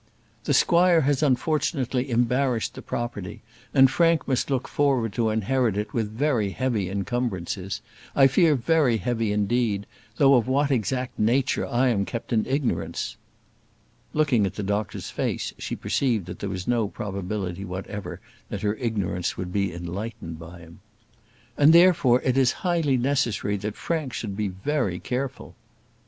"The squire has unfortunately embarrassed the property, and Frank must look forward to inherit it with very heavy encumbrances; I fear very heavy indeed, though of what exact nature I am kept in ignorance." Looking at the doctor's face, she perceived that there was no probability whatever that her ignorance would be enlightened by him. "And, therefore, it is highly necessary that Frank should be very careful."